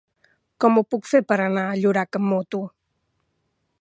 Com ho puc fer per anar a Llorac amb moto?